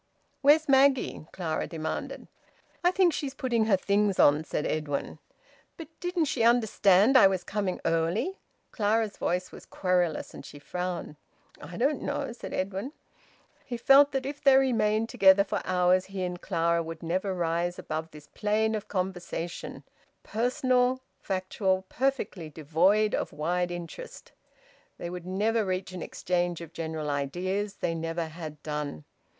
"Where's Maggie?" Clara demanded. "I think she's putting her things on," said Edwin. "But didn't she understand I was coming early?" Clara's voice was querulous, and she frowned. "I don't know," said Edwin. He felt that if they remained together for hours, he and Clara would never rise above this plane of conversation personal, factual, perfectly devoid of wide interest. They would never reach an exchange of general ideas; they never had done.